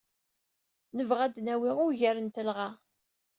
Nebɣa ad d-nawey ugar n telɣa.